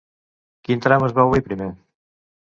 Quin tram es va obrir primer?